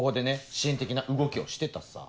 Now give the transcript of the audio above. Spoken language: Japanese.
支援的な動きをしてたさ。